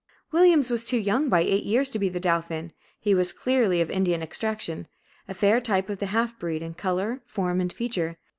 Williams was too young by eight years to be the dauphin; he was clearly of Indian extraction, a fair type of the half breed, in color, form, and feature.